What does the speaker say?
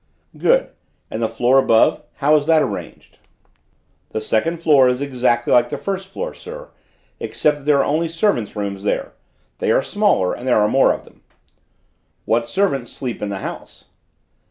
"Good. And the floor above: how is that arranged?" "The second floor is exactly like the first floor, sir, except that there are only servants' rooms there. They are smaller, and there are more of them." "What servants sleep in the house?"